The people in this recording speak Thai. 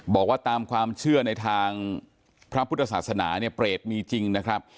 บอกว่าตามความเชื่อในทางพระพุทธศาสนาเนี่ยเปรตมีจริงนะครับ